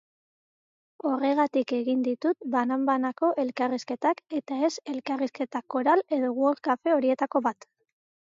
Horregatik egin ditut banan-banako elkarrizketak eta ez elkarrizketa koral edo world-kafe horietariko bat.